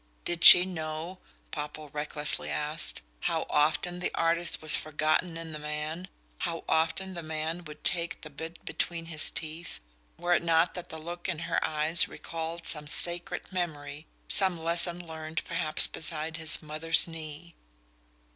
Did she know Popple recklessly asked how often the artist was forgotten in the man how often the man would take the bit between his teeth, were it not that the look in her eyes recalled some sacred memory, some lesson learned perhaps beside his mother's knee?